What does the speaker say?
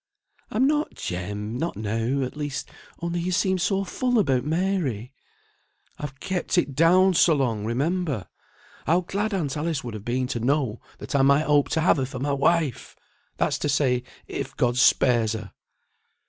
"I'm not, Jem; not now, at least; only you seemed so full about Mary." "I've kept it down so long, remember. How glad Aunt Alice would have been to know that I might hope to have her for my wife! that's to say, if God spares her!"